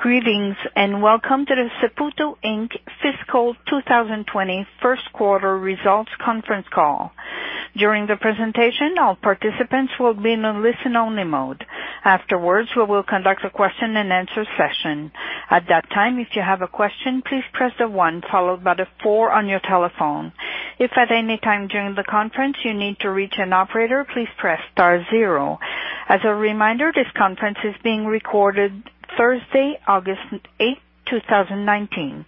Greetings, welcome to the Saputo Inc. Fiscal 2020 first quarter results conference call. During the presentation, all participants will be in a listen-only mode. Afterwards, we will conduct a question and answer session. At that time, if you have a question, please press the one followed by the four on your telephone. If at any time during the conference you need to reach an operator, please press star zero. As a reminder, this conference is being recorded Thursday, August 8, 2019.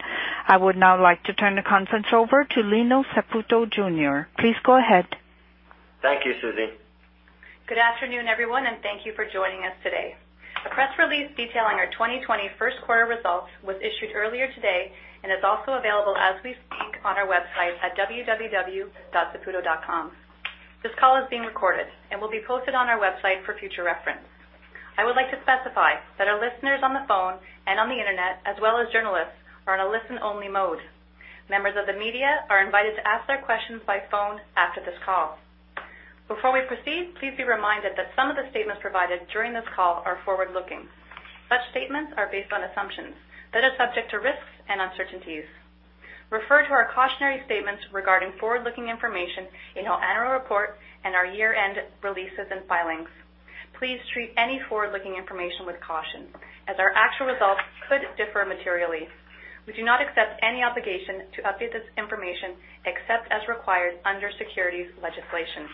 I would now like to turn the conference over to Lino Saputo Jr. Please go ahead. Thank you, Susie. Good afternoon, everyone, and thank you for joining us today. A press release detailing our 2020 first-quarter results was issued earlier today and is also available as we speak on our website at www.saputo.com. This call is being recorded and will be posted on our website for future reference. I would like to specify that our listeners on the phone and on the internet, as well as journalists, are in a listen-only mode. Members of the media are invited to ask their questions by phone after this call. Before we proceed, please be reminded that some of the statements provided during this call are forward-looking. Such statements are based on assumptions that are subject to risks and uncertainties. Refer to our cautionary statements regarding forward-looking information in our annual report and our year-end releases and filings. Please treat any forward-looking information with caution, as our actual results could differ materially. We do not accept any obligation to update this information, except as required under securities legislation.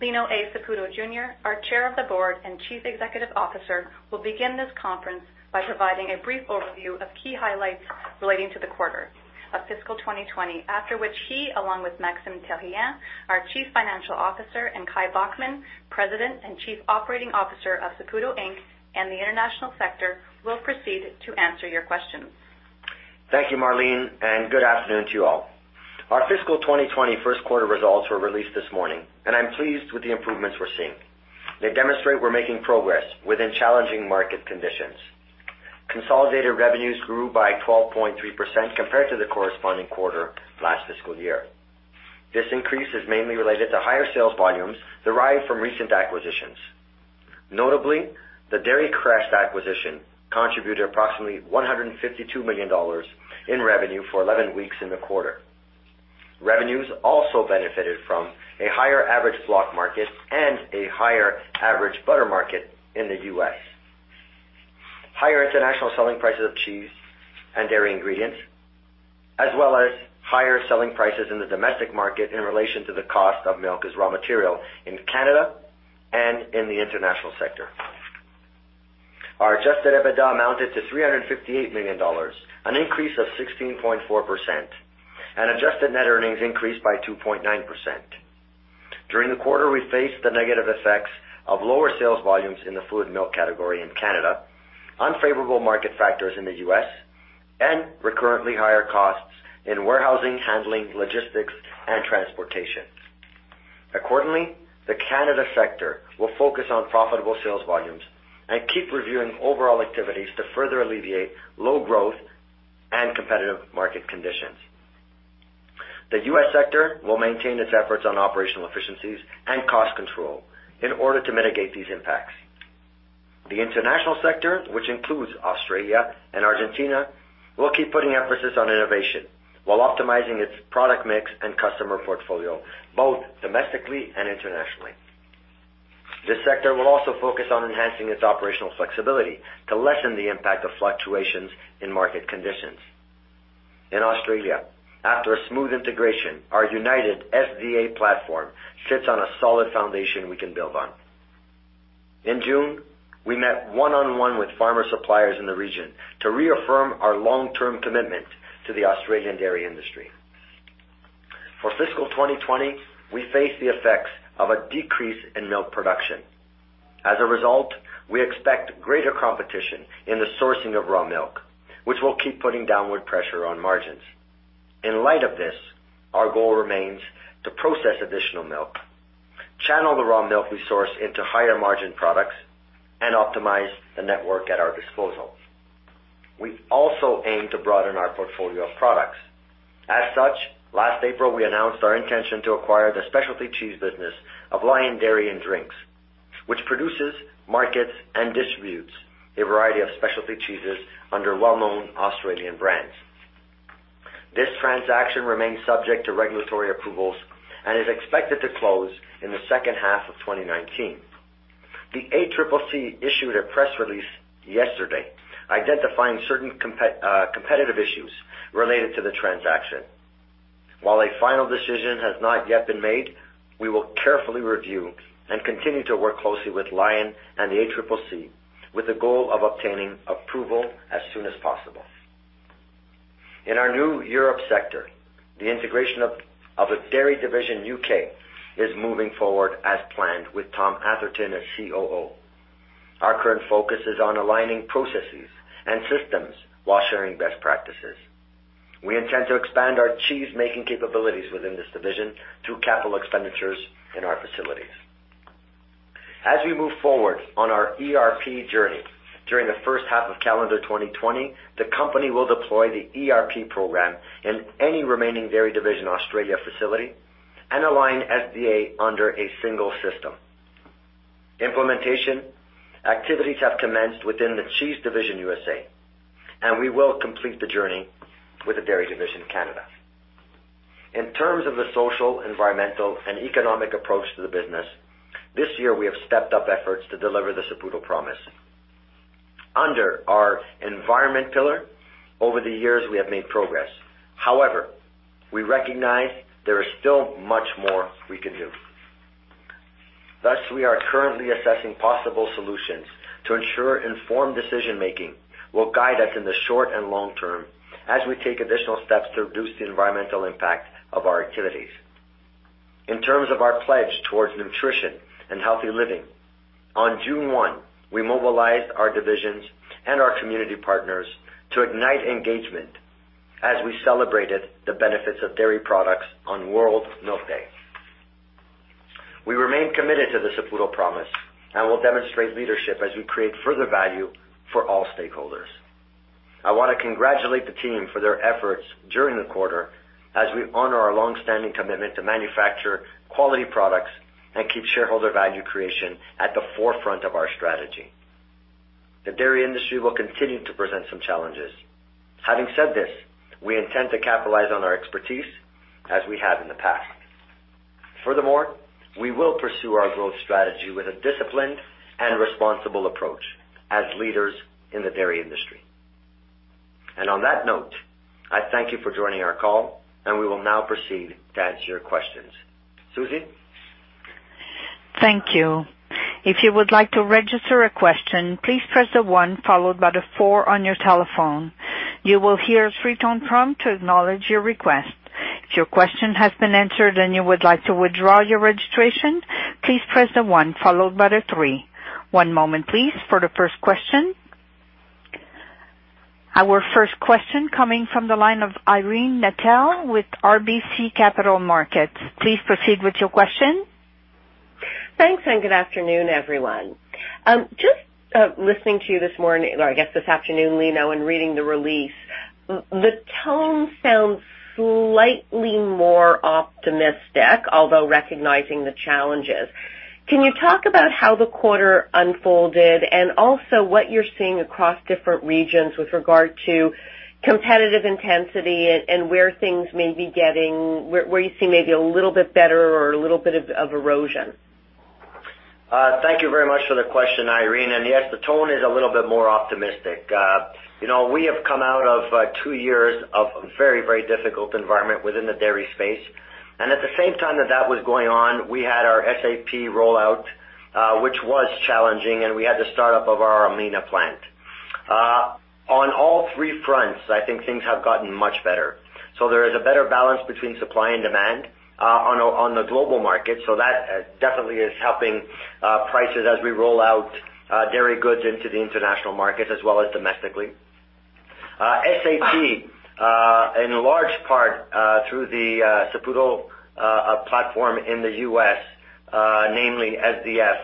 Lino A. Saputo Jr., our Chair of the Board and Chief Executive Officer, will begin this conference by providing a brief overview of key highlights relating to the quarter of fiscal 2020, after which he, along with Maxime Therrien, our Chief Financial Officer, and Kai Bockmann, President and Chief Operating Officer of Saputo Inc. and the International Sector, will proceed to answer your questions. Thank you, Marlene. Good afternoon to you all. Our fiscal 2020 first-quarter results were released this morning, and I'm pleased with the improvements we're seeing. They demonstrate we're making progress within challenging market conditions. Consolidated revenues grew by 12.3% compared to the corresponding quarter last fiscal year. This increase is mainly related to higher sales volumes derived from recent acquisitions. Notably, the Dairy Crest acquisition contributed approximately 152 million dollars in revenue for 11 weeks in the quarter. Revenues also benefited from a higher average block market and a higher average butter market in the U.S., higher international selling prices of cheese and dairy ingredients, as well as higher selling prices in the domestic market in relation to the cost of milk as raw material in Canada and in the international sector. Our adjusted EBITDA amounted to 358 million dollars, an increase of 16.4%, and adjusted net earnings increased by 2.9%. During the quarter, we faced the negative effects of lower sales volumes in the fluid milk category in Canada, unfavorable market factors in the U.S., and recurrently higher costs in warehousing, handling, logistics, and transportation. Accordingly, the Canada sector will focus on profitable sales volumes and keep reviewing overall activities to further alleviate low growth and competitive market conditions. The U.S. sector will maintain its efforts on operational efficiencies and cost control in order to mitigate these impacts. The international sector, which includes Australia and Argentina, will keep putting emphasis on innovation while optimizing its product mix and customer portfolio, both domestically and internationally. This sector will also focus on enhancing its operational flexibility to lessen the impact of fluctuations in market conditions. In Australia, after a smooth integration, our united FVA platform sits on a solid foundation we can build on. In June, we met one-on-one with farmer suppliers in the region to reaffirm our long-term commitment to the Australian dairy industry. For fiscal 2020, we face the effects of a decrease in milk production. As a result, we expect greater competition in the sourcing of raw milk, which will keep putting downward pressure on margins. In light of this, our goal remains to process additional milk, channel the raw milk we source into higher-margin products, and optimize the network at our disposal. We also aim to broaden our portfolio of products. As such, last April, we announced our intention to acquire the specialty cheese business of Lion Dairy & Drinks, which produces, markets, and distributes a variety of specialty cheeses under well-known Australian brands. This transaction remains subject to regulatory approvals and is expected to close in the second half of 2019. The ACCC issued a press release yesterday identifying certain competitive issues related to the transaction. While a final decision has not yet been made, we will carefully review and continue to work closely with Lion and the ACCC with the goal of obtaining approval as soon as possible. In our new Europe sector, the integration of the Dairy Division (UK) is moving forward as planned with Tom Atherton as COO. Our current focus is on aligning processes and systems while sharing best practices. We intend to expand our cheese-making capabilities within this division through capital expenditures in our facilities. As we move forward on our ERP journey during the first half of calendar 2020, the company will deploy the ERP program in any remaining Dairy Division (Australia) facility. Align SDA under a single system. Implementation activities have commenced within the Cheese Division USA, and we will complete the journey with the Dairy Division Canada. In terms of the social, environmental, and economic approach to the business, this year, we have stepped up efforts to deliver The Saputo Promise. Under our environment pillar, over the years, we have made progress. However, we recognize there is still much more we can do. Thus, we are currently assessing possible solutions to ensure informed decision-making will guide us in the short and long term as we take additional steps to reduce the environmental impact of our activities. In terms of our pledge towards nutrition and healthy living, on June 1, we mobilized our divisions and our community partners to ignite engagement as we celebrated the benefits of dairy products on World Milk Day. We remain committed to The Saputo Promise and will demonstrate leadership as we create further value for all stakeholders. I want to congratulate the team for their efforts during the quarter as we honor our longstanding commitment to manufacture quality products and keep shareholder value creation at the forefront of our strategy. The dairy industry will continue to present some challenges. Having said this, we intend to capitalize on our expertise as we have in the past. Furthermore, we will pursue our growth strategy with a disciplined and responsible approach as leaders in the dairy industry. On that note, I thank you for joining our call, and we will now proceed to answer your questions. Susie? Thank you. If you would like to register a question, please press the one followed by the four on your telephone. You will hear a three-tone prompt to acknowledge your request. If your question has been answered and you would like to withdraw your registration, please press the one followed by the three. One moment please for the first question. Our first question coming from the line of Irene Nattel with RBC Capital Markets. Please proceed with your question. Thanks. Good afternoon, everyone. Just listening to you this morning, or I guess this afternoon, Lino, and reading the release, the tone sounds slightly more optimistic, although recognizing the challenges. Can you talk about how the quarter unfolded and also what you're seeing across different regions with regard to competitive intensity and where you see maybe a little bit better or a little bit of erosion? Thank you very much for the question, Irene. Yes, the tone is a little bit more optimistic. We have come out of two years of a very, very difficult environment within the dairy space. At the same time that that was going on, we had our SAP rollout, which was challenging, and we had the start-up of our Almena plant. On all three fronts, I think things have gotten much better. There is a better balance between supply and demand on the global market. That definitely is helping prices as we roll out dairy goods into the international markets as well as domestically. SAP, in large part, through the Saputo platform in the U.S., namely SDS,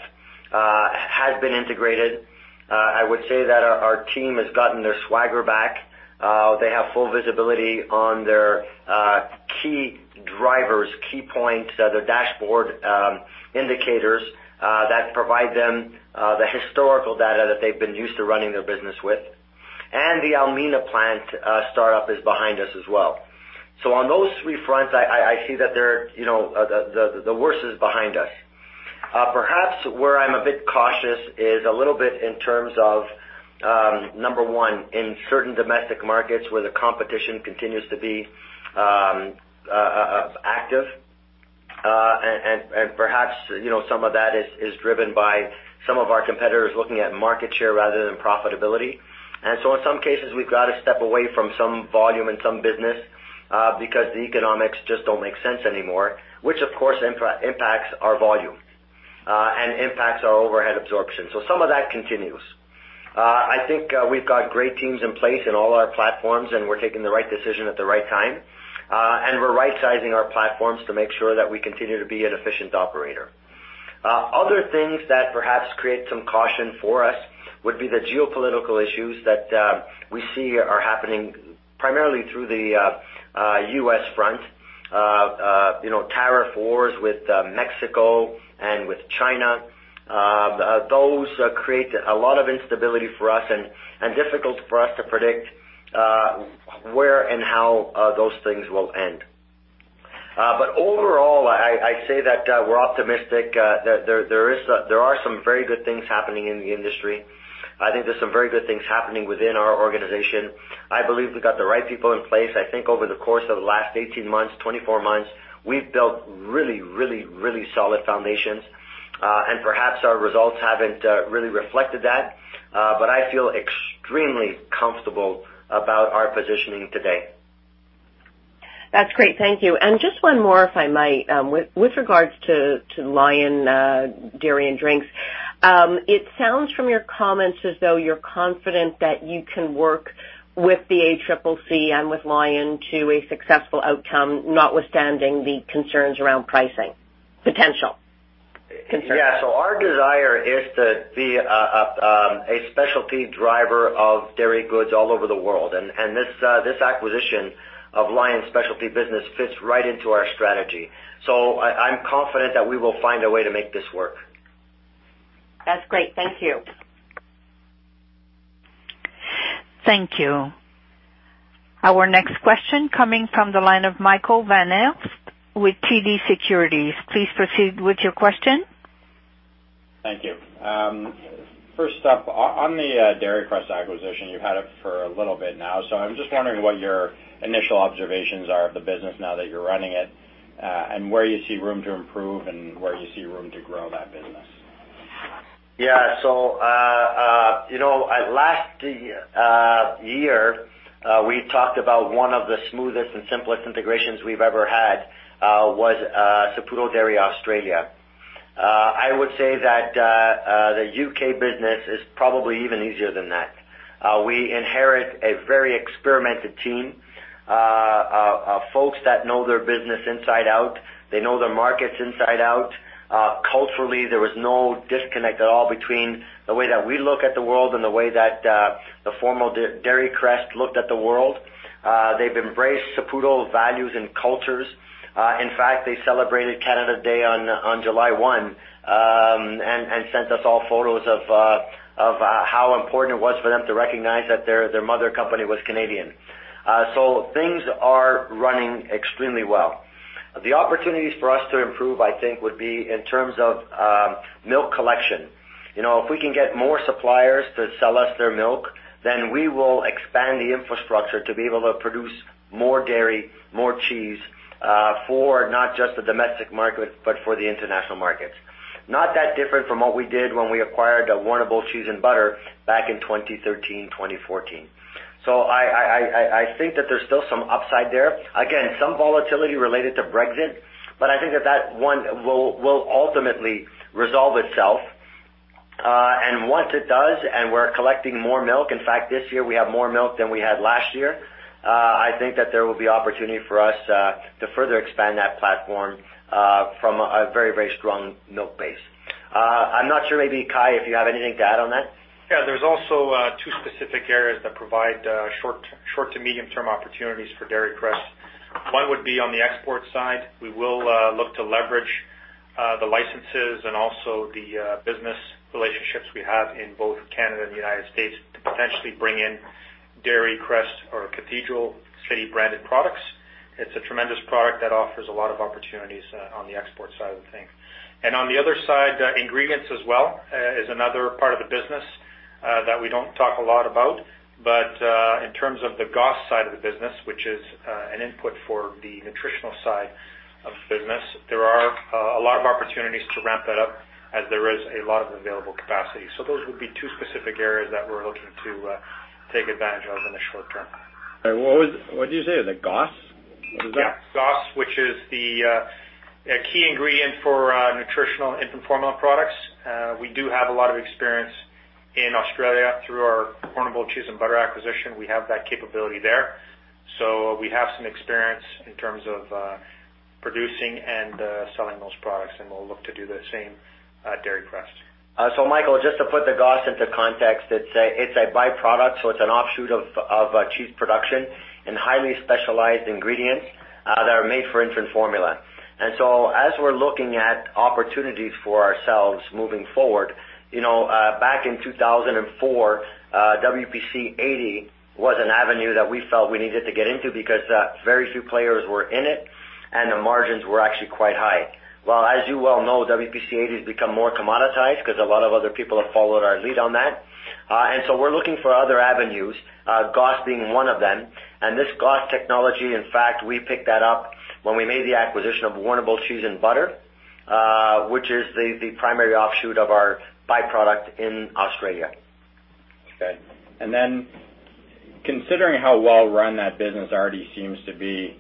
has been integrated. I would say that our team has gotten their swagger back. They have full visibility on their key drivers, key points, their dashboard indicators that provide them the historical data that they've been used to running their business with. The Almena plant start-up is behind us as well. On those three fronts, I see that the worst is behind us. Perhaps where I'm a bit cautious is a little bit in terms of, number 1, in certain domestic markets where the competition continues to be active, and perhaps some of that is driven by some of our competitors looking at market share rather than profitability. In some cases, we've got to step away from some volume and some business, because the economics just don't make sense anymore, which, of course, impacts our volume and impacts our overhead absorption. Some of that continues. I think we've got great teams in place in all our platforms, and we're taking the right decision at the right time. We're rightsizing our platforms to make sure that we continue to be an efficient operator. Other things that perhaps create some caution for us would be the geopolitical issues that we see are happening primarily through the U.S. front, tariff wars with Mexico and with China. Those create a lot of instability for us and difficult for us to predict where and how those things will end. Overall, I'd say that we're optimistic. There are some very good things happening in the industry. I think there's some very good things happening within our organization. I believe we've got the right people in place. I think over the course of the last 18 months, 24 months, we've built really, really, really solid foundations. Perhaps our results haven't really reflected that, but I feel extremely comfortable about our positioning today. That's great. Thank you. Just one more, if I might, with regards to Lion Dairy & Drinks, it sounds from your comments as though you're confident that you can work with the ACCC and with Lion to a successful outcome, notwithstanding the concerns around pricing potential. Our desire is to be a specialty driver of dairy goods all over the world, and this acquisition of Lion's specialty business fits right into our strategy. I'm confident that we will find a way to make this work. That's great. Thank you. Thank you. Our next question coming from the line of Michael Van Aelst with TD Securities. Please proceed with your question. Thank you. First up, on the Dairy Crest acquisition, you've had it for a little bit now. I'm just wondering what your initial observations are of the business now that you're running it, and where you see room to improve and where you see room to grow that business. Yeah. Last year, we talked about one of the smoothest and simplest integrations we've ever had was Saputo Dairy Australia. I would say that the U.K. business is probably even easier than that. We inherit a very experienced team, folks that know their business inside out. They know their markets inside out. Culturally, there was no disconnect at all between the way that we look at the world and the way that the former Dairy Crest looked at the world. They've embraced Saputo values and cultures. In fact, they celebrated Canada Day on July 1 and sent us all photos of how important it was for them to recognize that their mother company was Canadian. Things are running extremely well. The opportunities for us to improve, I think, would be in terms of milk collection. If we can get more suppliers to sell us their milk, then we will expand the infrastructure to be able to produce more dairy, more cheese, for not just the domestic market, but for the international markets. Not that different from what we did when we acquired the Warrnambool Cheese and Butter back in 2013, 2014. I think that there's still some upside there. Again, some volatility related to Brexit, but I think that one will ultimately resolve itself. Once it does, and we're collecting more milk, in fact, this year, we have more milk than we had last year, I think that there will be opportunity for us to further expand that platform from a very strong milk base. I'm not sure, maybe Kai, if you have anything to add on that. Yeah, there's also two specific areas that provide short to medium-term opportunities for Dairy Crest. One would be on the export side. We will look to leverage the licenses and also the business relationships we have in both Canada and the United States to potentially bring in Dairy Crest or Cathedral City branded products. It's a tremendous product that offers a lot of opportunities on the export side of the thing. On the other side, ingredients as well is another part of the business that we don't talk a lot about. In terms of the GOS side of the business, which is an input for the nutritional side of the business, there are a lot of opportunities to ramp that up as there is a lot of available capacity. Those would be two specific areas that we're looking to take advantage of in the short term. What did you say? Is it GOS? What is that? Yeah. GOS, which is the key ingredient for nutritional infant formula products. We do have a lot of experience in Australia through our Warrnambool Cheese and Butter acquisition. We have that capability there. We have some experience in terms of producing and selling those products, and we'll look to do the same at Dairy Crest. Michael, just to put the GOS into context, it's a byproduct, so it's an offshoot of cheese production and highly specialized ingredients that are made for infant formula. As we're looking at opportunities for ourselves moving forward, back in 2004, WPC 80 was an avenue that we felt we needed to get into because very few players were in it, and the margins were actually quite high. Well, as you well know, WPC 80 has become more commoditized because a lot of other people have followed our lead on that. We're looking for other avenues, GOS being one of them. This GOS technology, in fact, we picked that up when we made the acquisition of Warrnambool Cheese and Butter, which is the primary offshoot of our byproduct in Australia. Considering how well run that business already seems to be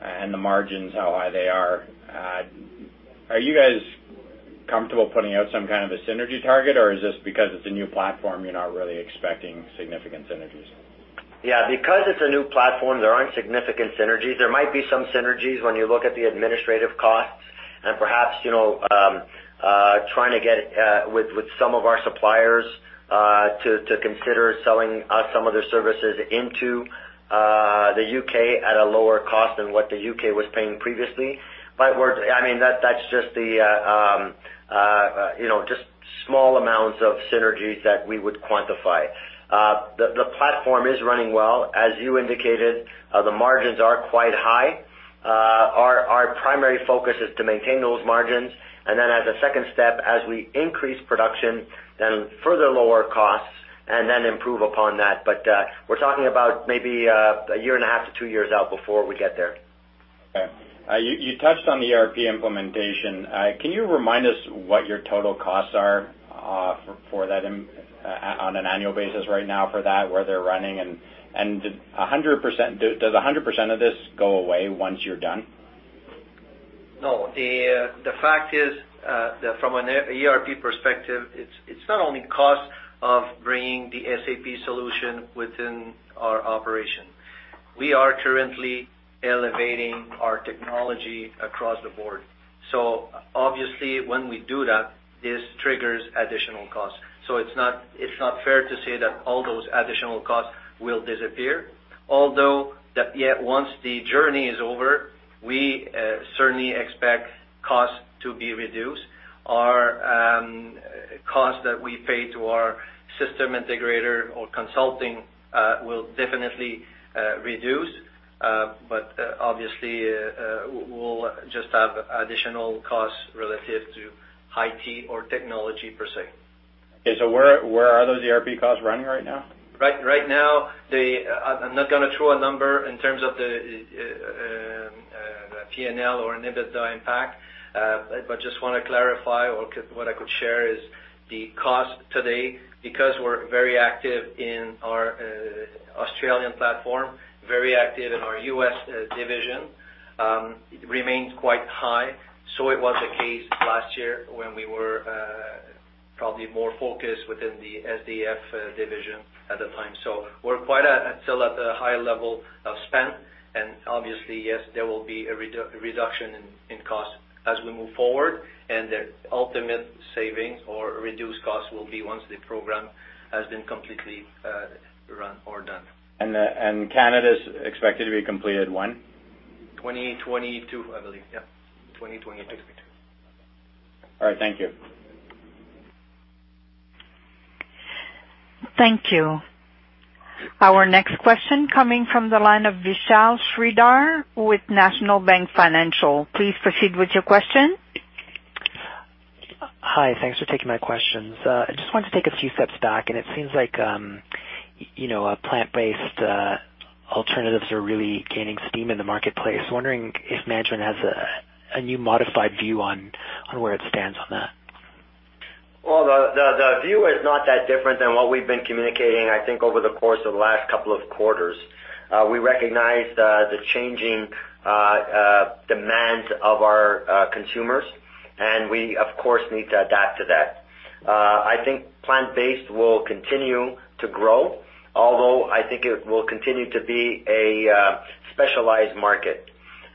and the margins, how high they are you guys comfortable putting out some kind of a synergy target, or is this because it's a new platform, you're not really expecting significant synergies? Yeah. Because it's a new platform, there aren't significant synergies. There might be some synergies when you look at the administrative costs and perhaps, trying to get with some of our suppliers, to consider selling us some of their services into the U.K. at a lower cost than what the U.K. was paying previously. That's just small amounts of synergies that we would quantify. The platform is running well. As you indicated, the margins are quite high. Our primary focus is to maintain those margins, and then as a second step, as we increase production, then further lower costs and then improve upon that. We're talking about maybe a year and a half to two years out before we get there. Okay. You touched on the ERP implementation. Can you remind us what your total costs are on an annual basis right now for that, where they're running, and does 100% of this go away once you're done? No. The fact is, that from an ERP perspective, it's not only cost of bringing the SAP solution within our operation. We are currently elevating our technology across the board. Obviously when we do that, this triggers additional costs. It's not fair to say that all those additional costs will disappear, although, once the journey is over, we certainly expect costs to be reduced. Our costs that we pay to our system integrator or consulting will definitely reduce. Obviously, we'll just have additional costs relative to IT or technology per se. Okay, where are those ERP costs running right now? Right now, I'm not going to throw a number in terms of the P&L or an EBITDA impact. Just want to clarify or what I could share is the cost today, because we're very active in our Australian platform, very active in our US division, remains quite high. It was the case last year when we were probably more focused within the SDF division at the time. We're quite still at a high level of spend. Obviously, yes, there will be a reduction in cost as we move forward, and the ultimate savings or reduced costs will be once the program has been completely run or done. Canada's expected to be completed when? 2022, I believe. Yep, 2022. All right, thank you. Thank you. Our next question coming from the line of Vishal Shreedhar with National Bank Financial. Please proceed with your question. Hi, thanks for taking my questions. I just wanted to take a few steps back. It seems like plant-based alternatives are really gaining steam in the marketplace. Wondering if management has a new modified view on where it stands on that. Well, the view is not that different than what we've been communicating, I think, over the course of the last couple of quarters. We recognize the changing demand of our consumers, and we, of course, need to adapt to that. I think plant-based will continue to grow, although I think it will continue to be a specialized market.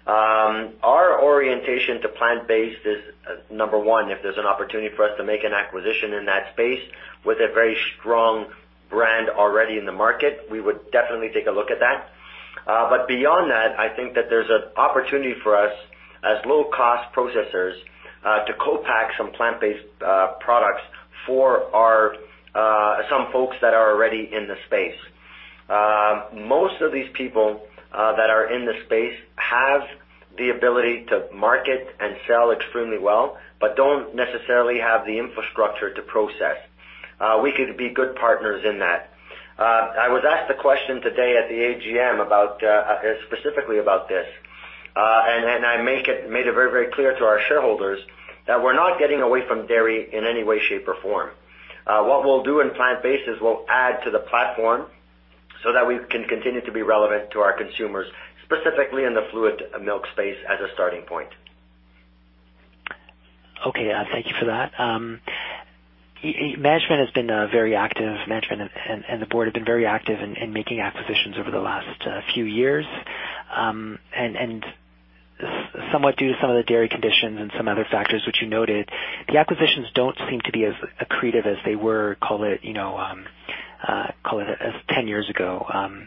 Our orientation to plant-based is, number 1, if there's an opportunity for us to make an acquisition in that space with a very strong brand already in the market, we would definitely take a look at that. Beyond that, I think that there's an opportunity for us as low-cost processors, to co-pack some plant-based products for some folks that are already in the space. Most of these people that are in the space have the ability to market and sell extremely well, but don't necessarily have the infrastructure to process. We could be good partners in that. I was asked a question today at the AGM specifically about this. I made it very clear to our shareholders that we're not getting away from dairy in any way, shape, or form. What we'll do in plant-based is we'll add to the platform so that we can continue to be relevant to our consumers, specifically in the fluid milk space as a starting point. Okay, thank you for that. Management has been very active, management and the board have been very active in making acquisitions over the last few years. Somewhat due to some of the dairy conditions and some other factors which you noted, the acquisitions don't seem to be as accretive as they were, call it 10 years ago.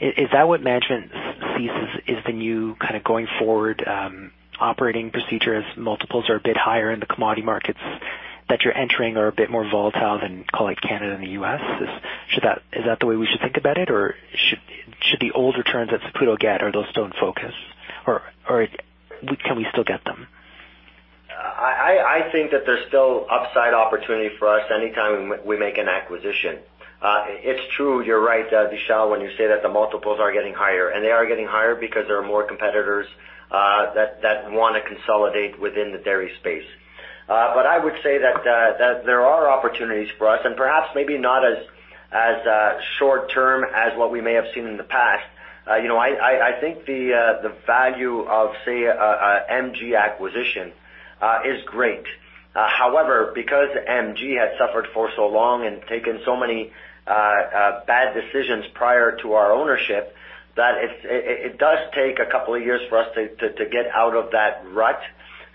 Is that what management sees as the new kind of going forward operating procedure, as multiples are a bit higher in the commodity markets that you're entering are a bit more volatile than, call it Canada and the U.S.? Is that the way we should think about it, or should the older trends that Saputo get, are those still in focus? Can we still get them? I think that there's still upside opportunity for us anytime we make an acquisition. It's true, you're right, Vishal, when you say that the multiples are getting higher. They are getting higher because there are more competitors that want to consolidate within the dairy space. I would say that there are opportunities for us and perhaps maybe not as short-term as what we may have seen in the past. I think the value of, say, a MG acquisition is great. However, because MG had suffered for so long and taken so many bad decisions prior to our ownership, that it does take a couple of years for us to get out of that rut.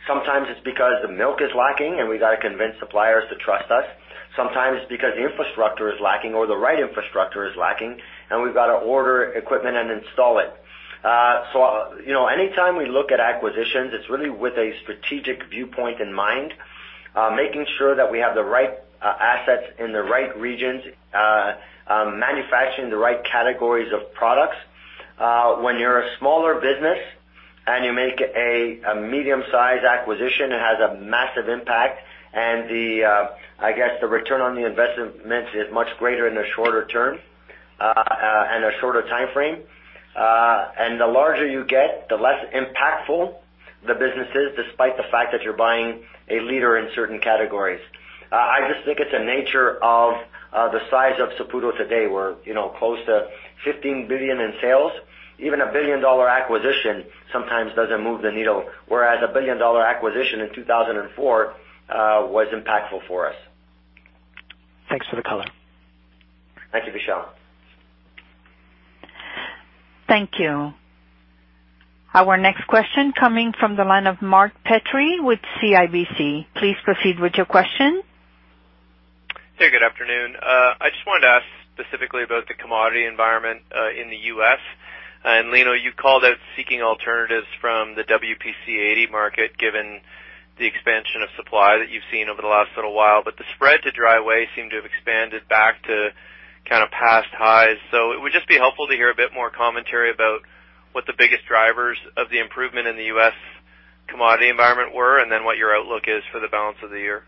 Sometimes it's because the milk is lacking and we got to convince suppliers to trust us. Sometimes it's because the infrastructure is lacking or the right infrastructure is lacking, and we've got to order equipment and install it. Anytime we look at acquisitions, it's really with a strategic viewpoint in mind, making sure that we have the right assets in the right regions, manufacturing the right categories of products. When you're a smaller business and you make a medium-sized acquisition, it has a massive impact, and I guess the return on the investments is much greater in the shorter term and a shorter timeframe. The larger you get, the less impactful the business is despite the fact that you're buying a leader in certain categories. I just think it's a nature of the size of Saputo today. We're close to 15 billion in sales. Even a billion-dollar acquisition sometimes doesn't move the needle, whereas a billion-dollar acquisition in 2004 was impactful for us. Thanks for the color. Thank you, Vishal. Thank you. Our next question coming from the line of Mark Petrie with CIBC. Please proceed with your question. Hey, good afternoon. I just wanted to ask specifically about the commodity environment in the U.S. Lino, you called out seeking alternatives from the WPC 80 market, given the expansion of supply that you've seen over the last little while. The spread to dry whey seemed to have expanded back to past highs. It would just be helpful to hear a bit more commentary about what the biggest drivers of the improvement in the U.S. commodity environment were, and then what your outlook is for the balance of the year.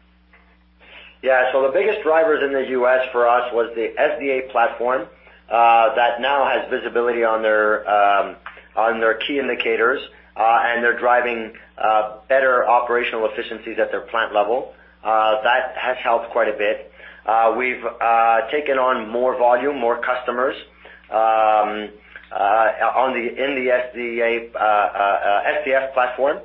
The biggest drivers in the U.S. for us was the SDA platform, that now has visibility on their key indicators. They're driving better operational efficiencies at their plant level. That has helped quite a bit. We've taken on more volume, more customers, in the SDF platform.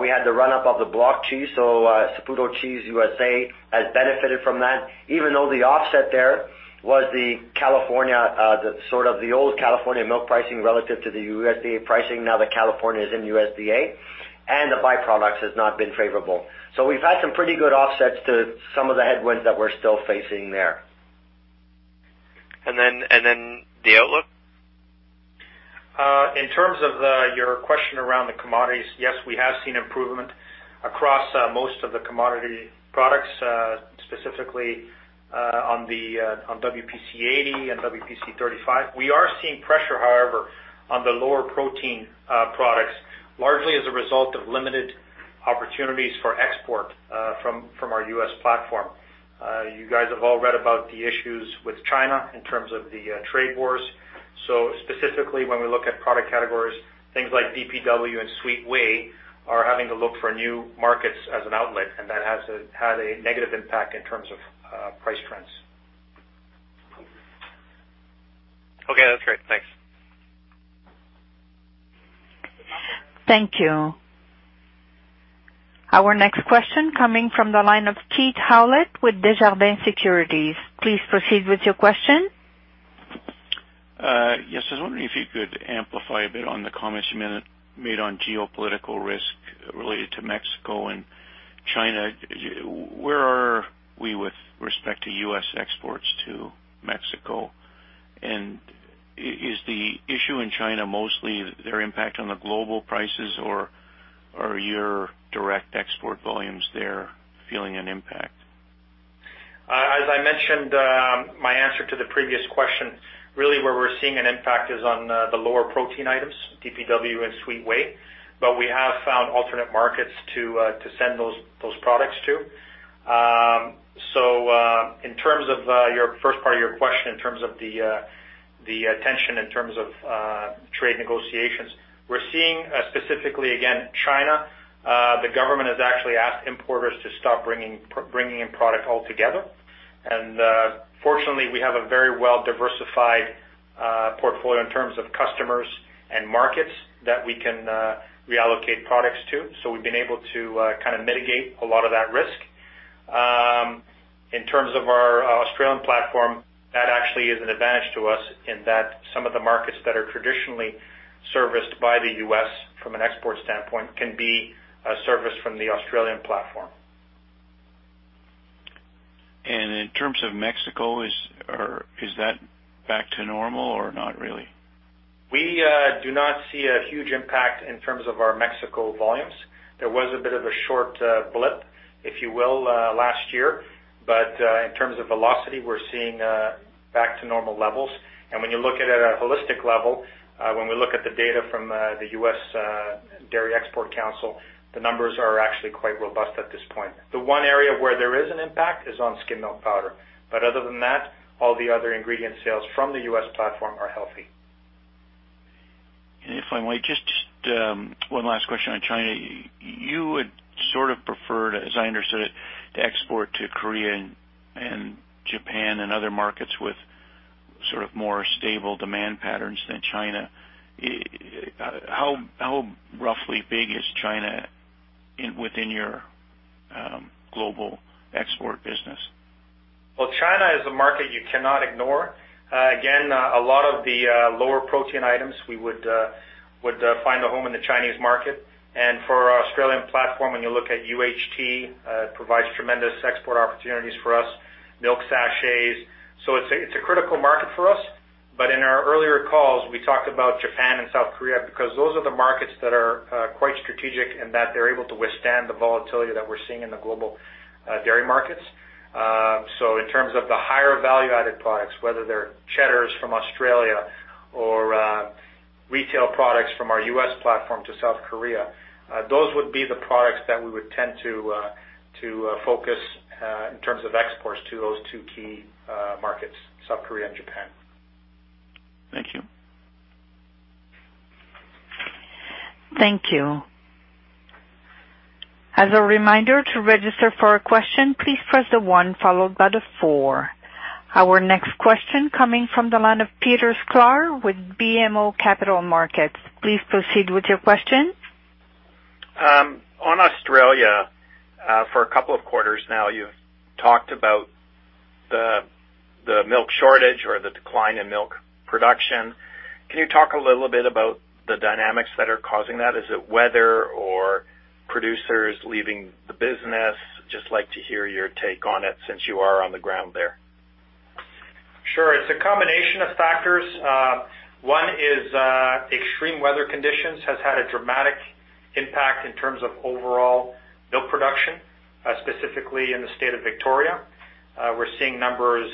We had the run-up of the block cheese, Saputo Cheese USA has benefited from that, even though the offset there was the old California milk pricing relative to the USDA pricing now that California is in USDA, and the byproducts has not been favorable. We've had some pretty good offsets to some of the headwinds that we're still facing there. The outlook? In terms of your question around the commodities, yes, we have seen improvement across most of the commodity products, specifically, on WPC 80 and WPC 35. We are seeing pressure, however, on the lower protein products, largely as a result of limited opportunities for export, from our U.S. platform. You guys have all read about the issues with China in terms of the trade wars. Specifically, when we look at product categories, things like DPW and sweet whey are having to look for new markets as an outlet, and that has had a negative impact in terms of price trends. Okay. That's great. Thanks. Thank you. Our next question coming from the line of Keith Howlett with Desjardins Securities. Please proceed with your question. Yes. I was wondering if you could amplify a bit on the comments you made on geopolitical risk related to Mexico and China. Where are we with respect to U.S. exports to Mexico? Is the issue in China mostly their impact on the global prices, or are your direct export volumes there feeling an impact? As I mentioned, my answer to the previous question, really where we're seeing an impact is on the lower protein items, DPW and sweet whey, but we have found alternate markets to send those products to. In terms of your first part of your question, in terms of the tension in terms of trade negotiations, we're seeing specifically, again, China, the government has actually asked importers to stop bringing in product altogether. Fortunately, we have a very well-diversified portfolio in terms of customers and markets that we can reallocate products to. We've been able to mitigate a lot of that risk. In terms of our Australian platform, that actually is an advantage to us in that some of the markets that are traditionally serviced by the U.S. from an export standpoint can be serviced from the Australian platform. In terms of Mexico, is that back to normal or not really? We do not see a huge impact in terms of our Mexico volumes. There was a bit of a short blip, if you will, last year. In terms of velocity, we're seeing back to normal levels. When you look at it at a holistic level, when we look at the data from the U.S. Dairy Export Council, the numbers are actually quite robust at this point. The one area where there is an impact is on skimmed milk powder. Other than that, all the other ingredient sales from the U.S. platform are healthy. If I may, just one last question on China. You would sort of prefer to, as I understood it, to export to Korea and Japan and other markets with sort of more stable demand patterns than China. How roughly big is China within your global export business? Well, China is a market you cannot ignore. Again, a lot of the lower protein items we would find a home in the Chinese market. For our Australian platform, when you look at UHT, provides tremendous export opportunities for us, milk sachets. It's a critical market for us. In our earlier calls, we talked about Japan and South Korea because those are the markets that are quite strategic and that they're able to withstand the volatility that we're seeing in the global dairy markets. In terms of the higher value-added products, whether they're cheddars from Australia or retail products from our U.S. platform to South Korea, those would be the products that we would tend to focus in terms of exports to those two key markets, South Korea and Japan. Thank you. Thank you. As a reminder to register for a question, please press the one followed by the four. Our next question coming from the line of Peter Sklar with BMO Capital Markets. Please proceed with your question. On Australia, for a couple of quarters now, you've talked about the milk shortage or the decline in milk production. Can you talk a little bit about the dynamics that are causing that? Is it weather or producers leaving the business? Just like to hear your take on it since you are on the ground there. Sure. It's a combination of factors. One is extreme weather conditions has had a dramatic impact in terms of overall milk production, specifically in the state of Victoria. We're seeing numbers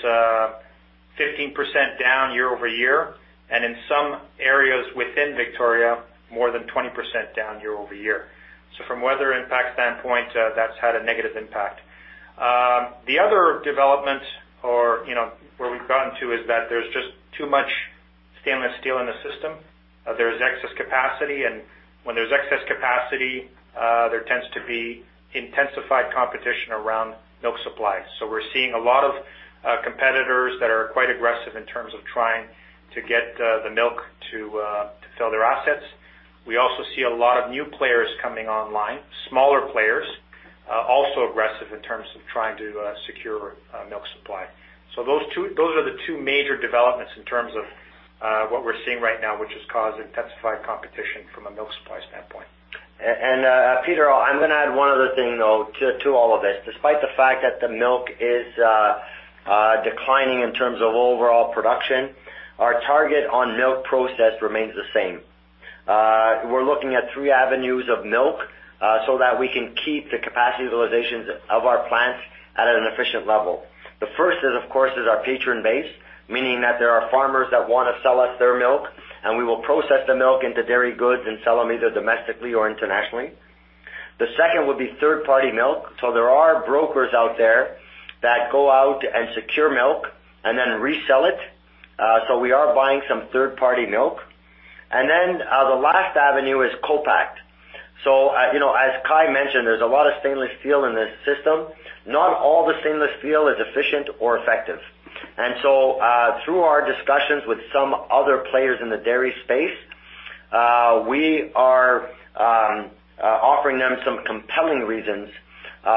15% down year-over-year, and in some areas within Victoria, more than 20% down year-over-year. From a weather impact standpoint, that's had a negative impact. The other development or where we've gotten to is that there's just too much stainless steel in the system. There is excess capacity, and when there's excess capacity, there tends to be intensified competition around milk supply. We're seeing a lot of competitors that are quite aggressive in terms of trying to get the milk to fill their assets. We also see a lot of new players coming online, smaller players, also aggressive in terms of trying to secure milk supply. Those are the two major developments in terms of what we're seeing right now, which has caused intensified competition from a milk supply standpoint. Peter, I'm going to add one other thing, though, to all of this. Despite the fact that the milk is declining in terms of overall production, our target on milk process remains the same. We're looking at three avenues of milk, so that we can keep the capacity utilizations of our plants at an efficient level. The first is, of course, is our patron base, meaning that there are farmers that want to sell us their milk, and we will process the milk into dairy goods and sell them either domestically or internationally. The second would be third-party milk. There are brokers out there that go out and secure milk and then resell it. We are buying some third-party milk. The last avenue is co-packed. As Kai mentioned, there's a lot of stainless steel in this system. Not all the stainless steel is efficient or effective. Through our discussions with some other players in the dairy space, we are offering them some compelling reasons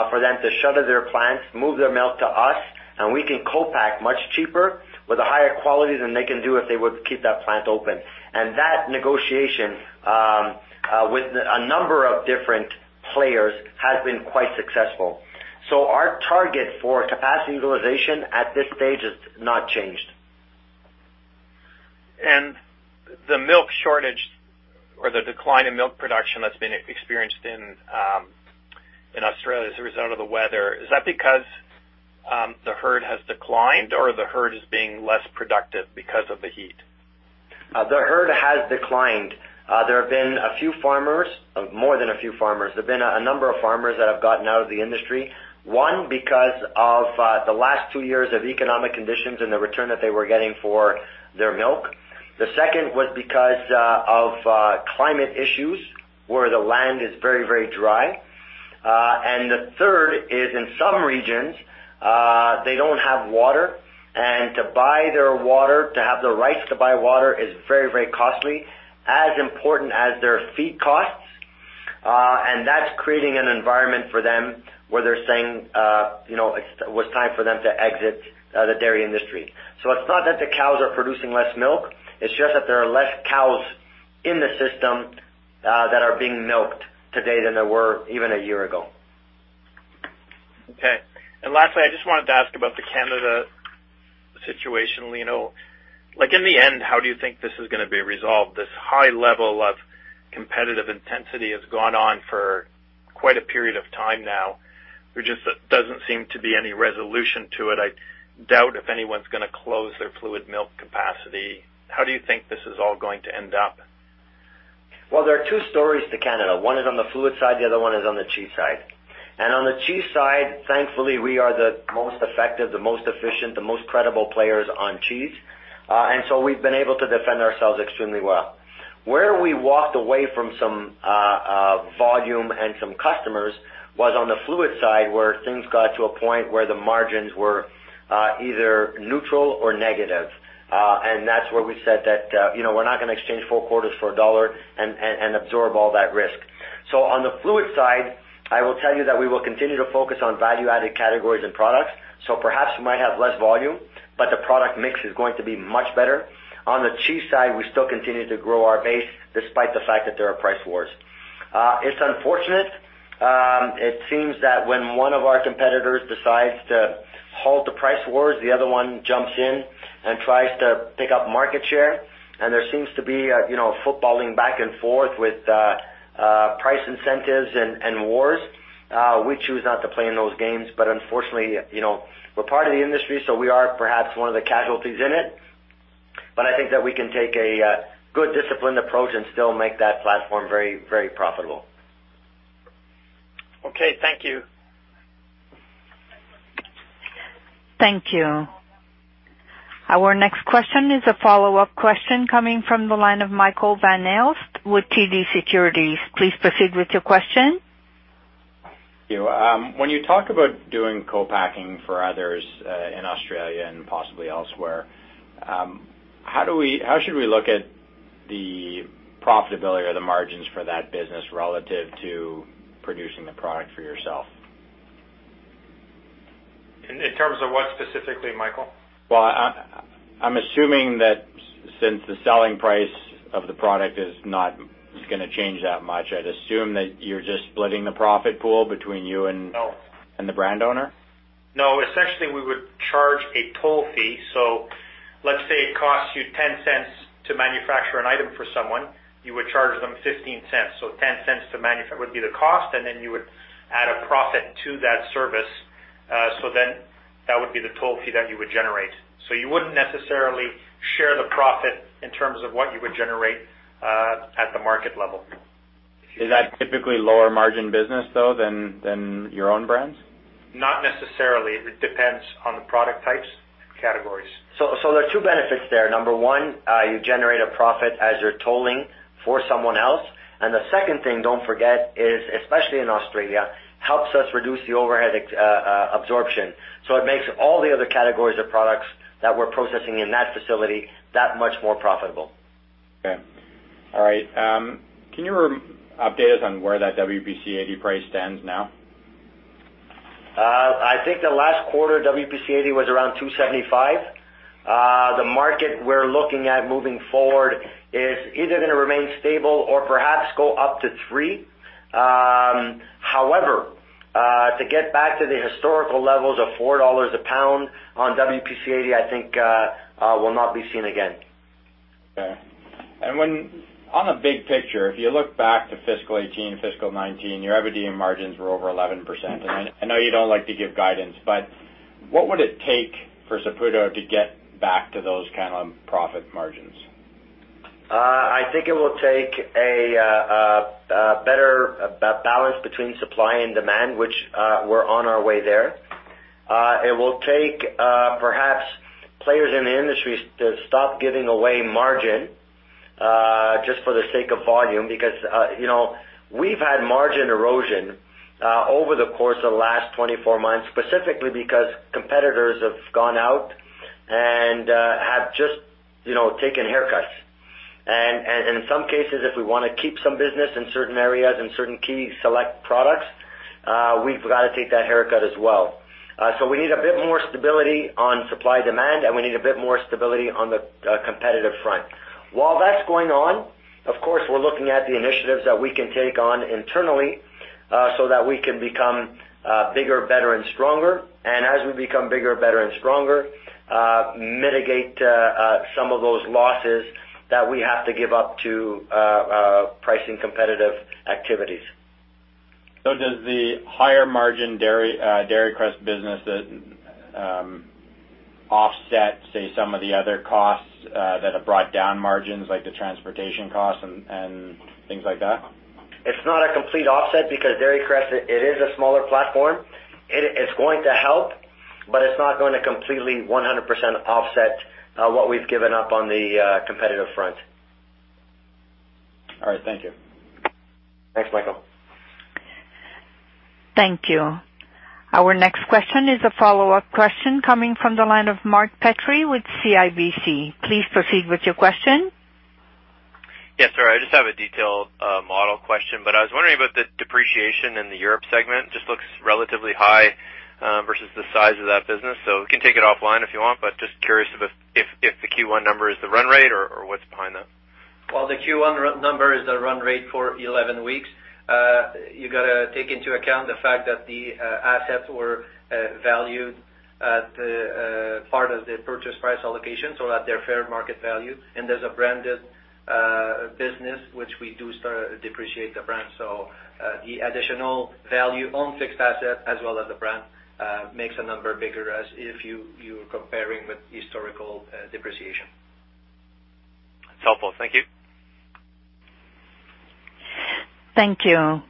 for them to shutter their plants, move their milk to us, and we can co-pack much cheaper with a higher quality than they can do if they were to keep that plant open. That negotiation with a number of different players has been quite successful. Our target for capacity utilization at this stage has not changed. The milk shortage or the decline in milk production that's been experienced in Australia as a result of the weather, is that because the herd has declined or the herd is being less productive because of the heat? The herd has declined. There have been more than a few farmers. There have been a number of farmers that have gotten out of the industry. One, because of the last two years of economic conditions and the return that they were getting for their milk. The second was because of climate issues, where the land is very, very dry. The third is, in some regions, they don't have water, and to buy their water, to have the right to buy water is very, very costly, as important as their feed costs. That's creating an environment for them where they're saying it was time for them to exit the dairy industry. It's not that the cows are producing less milk, it's just that there are less cows in the system that are being milked today than there were even a year ago. Okay. Lastly, I just wanted to ask about the Canada situation, Lino. Like in the end, how do you think this is going to be resolved? This high level of competitive intensity has gone on for quite a period of time now. There just doesn't seem to be any resolution to it. I doubt if anyone's going to close their fluid milk capacity. How do you think this is all going to end up? Well, there are two stories to Canada. One is on the fluid side, the other one is on the cheese side. On the cheese side, thankfully, we are the most effective, the most efficient, the most credible players on cheese. We've been able to defend ourselves extremely well. Where we walked away from some volume and some customers was on the fluid side, where things got to a point where the margins were either neutral or negative. That's where we said that we're not going to exchange four quarters for a dollar and absorb all that risk. On the fluid side, I will tell you that we will continue to focus on value-added categories and products. Perhaps we might have less volume, but the product mix is going to be much better. On the cheese side, we still continue to grow our base despite the fact that there are price wars. It's unfortunate. It seems that when one of our competitors decides to halt the price wars, the other one jumps in and tries to pick up market share, and there seems to be footballing back and forth with price incentives and wars. We choose not to play in those games, but unfortunately, we're part of the industry, so we are perhaps one of the casualties in it. I think that we can take a good, disciplined approach and still make that platform very profitable. Okay. Thank you. Thank you. Our next question is a follow-up question coming from the line of Michael Van Aelst with TD Cowen. Please proceed with your question. When you talk about doing co-packing for others in Australia and possibly elsewhere, how should we look at the profitability or the margins for that business relative to producing the product for yourself? In terms of what specifically, Michael? Well, I'm assuming that since the selling price of the product is not going to change that much, I'd assume that you're just splitting the profit pool between you. No The brand owner? No. Essentially, we would charge a toll fee. Let's say it costs you 0.10 to manufacture an item for someone, you would charge them 0.15. 0.10 would be the cost, and then you would add a profit to that service. That would be the toll fee that you would generate. You wouldn't necessarily share the profit in terms of what you would generate, at the market level. Is that typically lower margin business, though, than your own brands? Not necessarily. It depends on the product types categories. There are two benefits there. Number one, you generate a profit as you're tolling for someone else. The second thing, don't forget, is, especially in Australia, helps us reduce the overhead absorption. It makes all the other categories of products that we're processing in that facility that much more profitable. Okay. All right. Can you update us on where that WPC 80 price stands now? I think the last quarter WPC80 was around 2.75. The market we're looking at moving forward is either going to remain stable or perhaps go up to 3. However, to get back to the historical levels of 4 dollars a pound on WPC80, I think, will not be seen again. Okay. On the big picture, if you look back to fiscal 2018, fiscal 2019, your EBITDA margins were over 11%. I know you don't like to give guidance, but what would it take for Saputo to get back to those kind of profit margins? I think it will take a better balance between supply and demand, which, we're on our way there. It will take perhaps players in the industry to stop giving away margin, just for the sake of volume, because we've had margin erosion over the course of the last 24 months, specifically because competitors have gone out and have just taken haircuts. In some cases, if we want to keep some business in certain areas, in certain key select products, we've got to take that haircut as well. We need a bit more stability on supply-demand, and we need a bit more stability on the competitive front. While that's going on, of course, we're looking at the initiatives that we can take on internally, so that we can become bigger, better and stronger. As we become bigger, better and stronger, mitigate some of those losses that we have to give up to pricing competitive activities. Does the higher margin Dairy Crest business offset, say, some of the other costs that have brought down margins, like the transportation costs and things like that? It's not a complete offset because Dairy Crest, it is a smaller platform. It is going to help, but it's not going to completely 100% offset what we've given up on the competitive front. All right. Thank you. Thanks, Michael. Thank you. Our next question is a follow-up question coming from the line of Mark Petrie with CIBC. Please proceed with your question. Yes, sorry, I just have a detailed model question. I was wondering about the depreciation in the Europe segment. It just looks relatively high versus the size of that business. We can take it offline if you want. I am just curious about if the Q1 number is the run rate or what's behind that? Well, the Q1 number is the run rate for 11 weeks. You got to take into account the fact that the assets were valued as part of the purchase price allocation, so at their fair market value. As a branded business, which we do depreciate the brand. The additional value on fixed asset as well as the brand, makes the number bigger as if you were comparing with historical depreciation. That's helpful. Thank you. Thank you.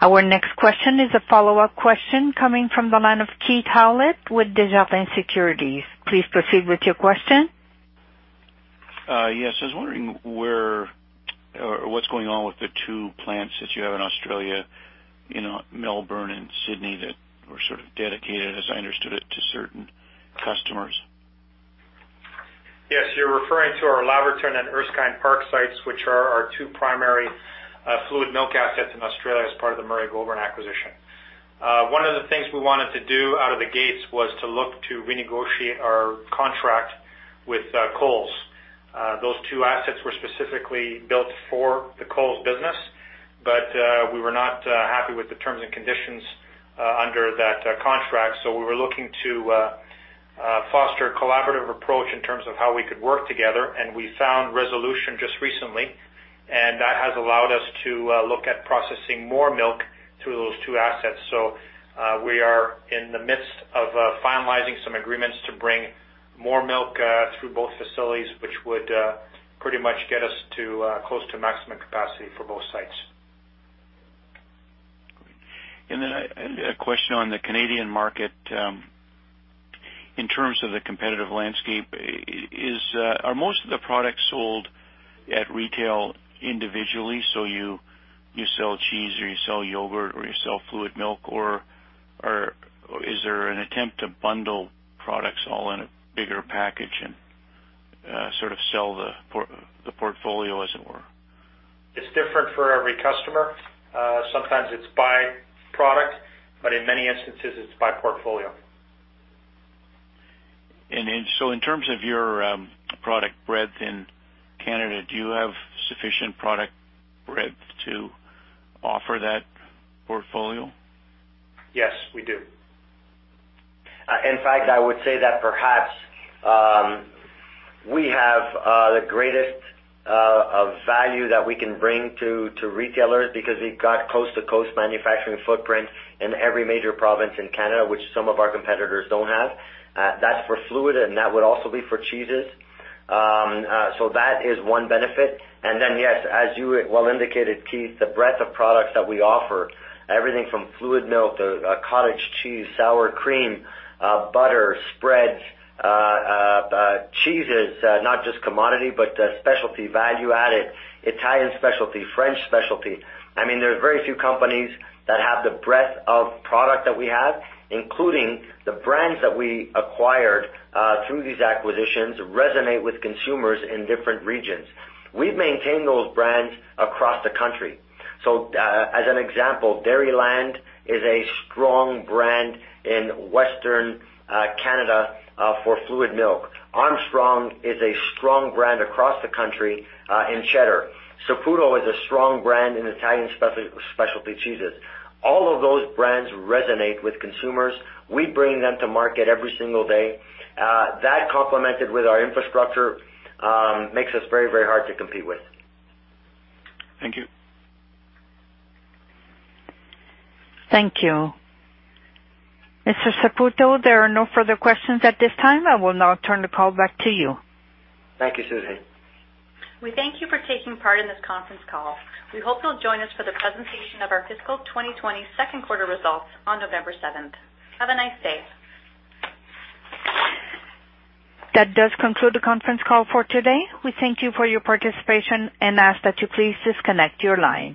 Our next question is a follow-up question coming from the line of Keith Howlett with Desjardins Securities. Please proceed with your question. Yes. I was wondering what's going on with the two plants that you have in Australia, Melbourne and Sydney, that were sort of dedicated, as I understood it, to certain customers? Yes, you're referring to our Laverton and Erskine Park sites, which are our two primary fluid milk assets in Australia as part of the Murray Goulburn acquisition. One of the things we wanted to do out of the gates was to look to renegotiate our contract with Coles. Those two assets were specifically built for the Coles business, but we were not happy with the terms and conditions under that contract. We were looking to foster a collaborative approach in terms of how we could work together, and we found resolution just recently. That has allowed us to look at processing more milk through those two assets. We are in the midst of finalizing some agreements to bring more milk through both facilities, which would pretty much get us close to maximum capacity for both sites. A question on the Canadian market? In terms of the competitive landscape, are most of the products sold at retail individually? You sell cheese or you sell yogurt or you sell fluid milk, or is there an attempt to bundle products all in a bigger package and sort of sell the portfolio, as it were? It's different for every customer. Sometimes it's by product, but in many instances, it's by portfolio. In terms of your product breadth in Canada, do you have sufficient product breadth to offer that portfolio? Yes, we do. In fact, I would say that perhaps we have the greatest value that we can bring to retailers because we've got coast-to-coast manufacturing footprint in every major province in Canada, which some of our competitors don't have. That's for fluid, that would also be for cheeses. That is one benefit. Yes, as you well indicated, Keith, the breadth of products that we offer, everything from fluid milk to cottage cheese, sour cream, butter, spreads, cheeses, not just commodity, but specialty value-added, Italian specialty, French specialty. There's very few companies that have the breadth of product that we have, including the brands that we acquired through these acquisitions resonate with consumers in different regions. We've maintained those brands across the country. As an example, Dairyland is a strong brand in Western Canada for fluid milk. Armstrong is a strong brand across the country in Cheddar. Saputo is a strong brand in Italian specialty cheeses. All of those brands resonate with consumers. We bring them to market every single day. That complemented with our infrastructure makes us very hard to compete with. Thank you. Thank you. Mr. Saputo, there are no further questions at this time. I will now turn the call back to you. Thank you, Susie. We thank you for taking part in this conference call. We hope you'll join us for the presentation of our fiscal 2020 second quarter results on November 7th. Have a nice day. That does conclude the conference call for today. We thank you for your participation and ask that you please disconnect your line.